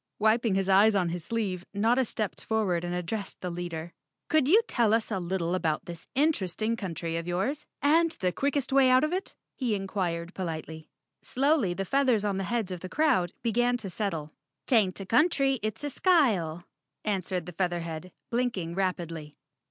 Wiping his eyes on his sleeve, Notta stepped forward and addressed the leader. "Could you tell us a little abont this interesting 133 The Cowardly Lion of Oz _ country of yours, and the quickest way out of it?" he inquired politely. Slowly the feathers on the heads of the crowd began to settle. "'Taint a country, it's a skyle," answered the Feath erhead, blinking rapidly.